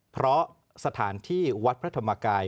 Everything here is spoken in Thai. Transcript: เพราะสถานที่วัดพระธรรมกาย